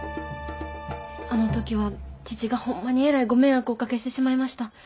あの時は父がほんまにえらいご迷惑をおかけしてしまいました。